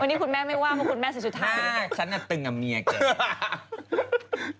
วันนี้คุณแม่ไม่ว่าเพราะคุณแม่สุธาฉันน่ะตึงกับเมียเกิน